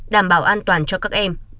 đảm bảo an toàn cho các em